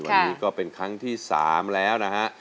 วันนี้ก็เป็นครั้งที่๓แล้วนะฮะ